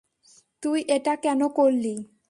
তুই এটা কেন করলি?